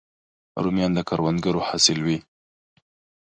رومیان د کروندګرو حاصل وي